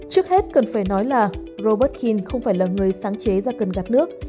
trước hết cần phải nói là robert kean không phải là người sáng chế ra cần gạt nước